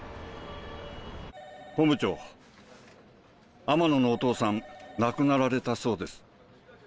本部長天野のお父さん亡くなられたそうです。